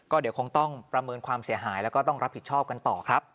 เดี๋ยวคงต้องประเมินความเสียหายแล้วก็ต้องรับผิดชอบกันต่อครับ